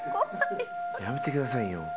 やめてくださいよ。